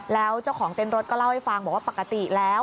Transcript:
แล้วเจ้าของเต้นรถก็เล่าให้ฟังบอกว่าปกติแล้ว